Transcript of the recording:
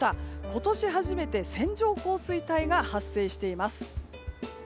今年初めて線状降水帯が発生しています。